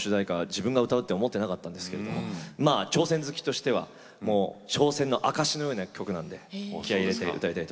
自分が歌うって思ってなかったんですけれどもまあ挑戦好きとしては挑戦の証しのような曲なので気合いを入れて歌いたいと思います。